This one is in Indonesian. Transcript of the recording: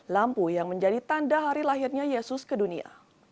lampu yang menjadi tanda hari lahirnya yesus ke dunia